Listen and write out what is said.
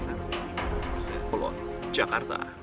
pengen tarik lima belas persen peluang jakarta